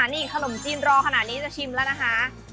นี่ขนมจีนรอขนาดนี้จะชิมแล้วนะคะ